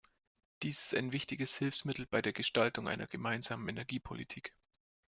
Dies ist ein wichtiges Hilfsmittel bei der Gestaltung einer gemeinsamen Energiepolitik.